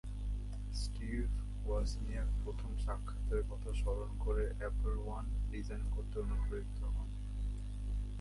Steve Wozniak প্রথম সাক্ষাতের কথা স্মরণ করে অ্যাপল ওয়ান ডিজাইন করতে অনুপ্রাণিত হন।